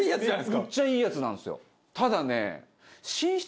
めっちゃいいやつなんですよ。